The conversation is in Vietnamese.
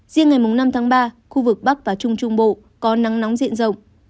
riêng ngày năm tháng ba khu vực bắc và trung trung bộ có nắng nóng diện rộng